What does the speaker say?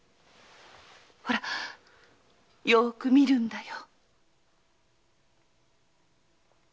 ほらよく見るんだよ。